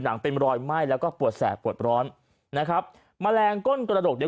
เป็นรอยไหม้แล้วก็ปวดแสบปวดร้อนนะครับแมลงก้นกระดกเนี่ย